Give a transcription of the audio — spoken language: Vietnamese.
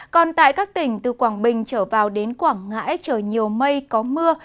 còn tại các tỉnh từ quảng bình trở vào đến quảng ngãi trời nhiều mây có mưa